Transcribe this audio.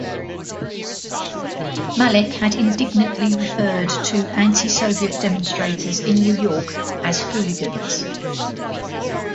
Malik had indignantly referred to anti-Soviet demonstrators in New York as "hooligans".